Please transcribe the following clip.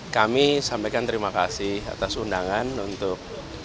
kami sampaikan terima kasih atas undangan untuk